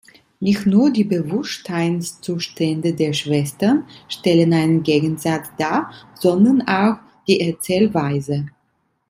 Nicht nur die Bewusstseinszustände der Schwestern stellen einen Gegensatz dar, sondern auch die Erzählweise.